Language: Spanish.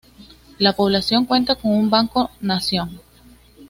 La población cuenta con un Banco Nación.